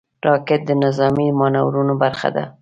راکټ د نظامي مانورونو برخه ده